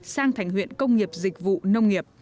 sang thành huyện công nghiệp dịch vụ nông nghiệp